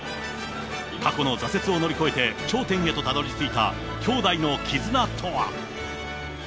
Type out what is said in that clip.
過去の挫折を乗り越えて、頂点へとたどり着いた兄妹の絆とは。